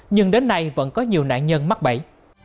nhưng đến nay vẫn có nhiều nạn nhân mắc bẫy